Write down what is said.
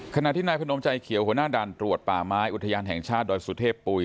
ขณะที่นายพนมใจเขียวหัวหน้าด่านตรวจป่าไม้อุทยานแห่งชาติดอยสุเทพปุ๋ย